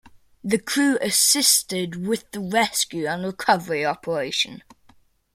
The crew assisted with the rescue and recovery operation.